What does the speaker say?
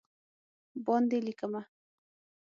باندې لېکمه